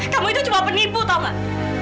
kamu itu cuma penipu tahu nggak